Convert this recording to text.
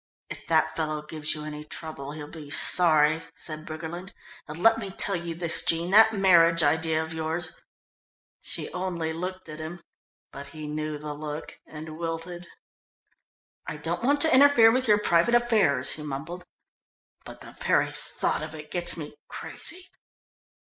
"If that fellow gives you any trouble he'll be sorry," said Briggerland. "And let me tell you this, Jean, that marriage idea of yours " She only looked at him, but he knew the look and wilted. "I don't want to interfere with your private affairs," he mumbled, "but the very thought of it gets me crazy."